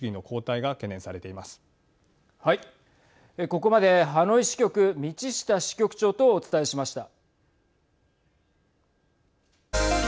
ここまでハノイ支局道下支局長とお伝えしました。